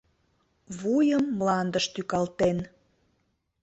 Вуйым мландыш тӱкалтен.